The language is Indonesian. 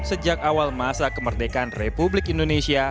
sejak awal masa kemerdekaan republik indonesia